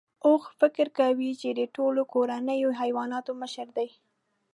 اوښ فکر کوي چې د ټولو کورنیو حیواناتو مشر دی.